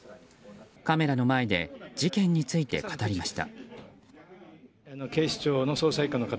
カメラの前で事件について語りました。